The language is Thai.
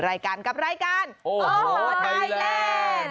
รายการกับรายการโอ้โหไทยแลนด์